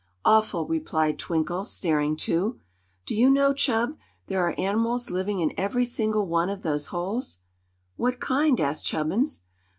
"Awful," replied Twinkle, staring too. "Do you know, Chub, there are an'mals living in every single one of those holes?" "What kind?" asked Chubbins.